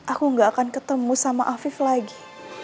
aku gak akan ketemu sama afif lagi